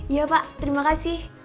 iya pak terima kasih